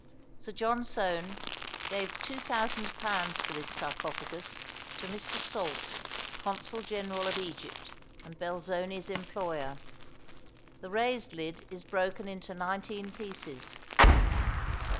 Sir John Soane gave £2000 for this sarcophagus to Mr. Salt, Consul General of Egypt and Belzoni's employer. The raised lid is broken into nineteen pieces.